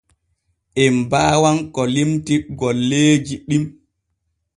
En baawan ko limti golleeji ɗin.